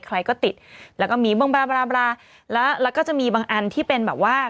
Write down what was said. ใครก็ติดแล้วก็มีบางราแล้วแล้วก็จะมีบางอันที่เป็นแบบว่า